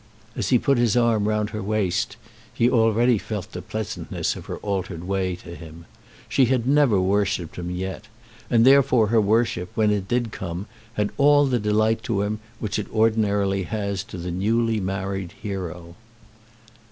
As he put his arm round her waist he already felt the pleasantness of her altered way to him. She had never worshipped him yet, and therefore her worship when it did come had all the delight to him which it ordinarily has to the newly married hero.